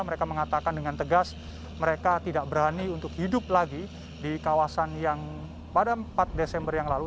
mereka mengatakan dengan tegas mereka tidak berani untuk hidup lagi di kawasan yang pada empat desember yang lalu